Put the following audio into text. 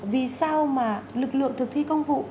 vì sao mà lực lượng thực thi công vụ